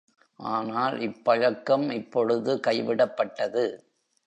ஆனால் இப்பழக்கம் இப்பொழுது கைவிடப்பட்டது.